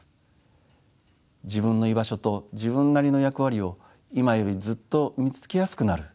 自分の居場所と自分なりの役割を今よりずっと見つけやすくなる。